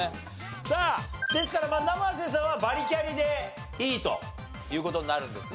さあですから生瀬さんはバリキャリでいいという事になるんですね。